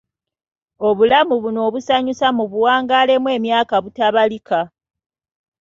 Obulamu buno obusanyusa mubuwangaalemu emyaka butabalika.